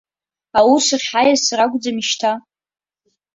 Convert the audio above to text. Аус ахь ҳаиасыр акәӡами шьҭа?